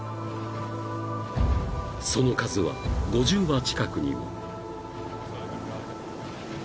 ［その数は５０羽近くにも］